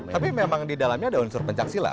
tapi memang di dalamnya ada unsur pencak silat